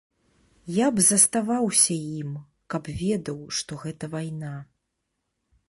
Я б заставаўся ім, каб ведаў, што гэта вайна.